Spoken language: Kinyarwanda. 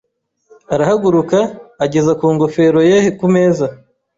Arahaguruka, ageza ku ngofero ye ku meza.